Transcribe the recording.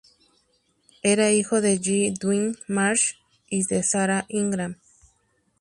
Era hijo de J. Dwight Marsh y de Sarah Ingram.